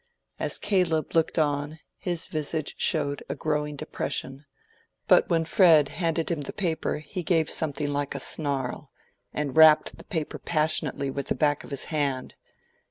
As Caleb looked on, his visage showed a growing depression, but when Fred handed him the paper he gave something like a snarl, and rapped the paper passionately with the back of his hand.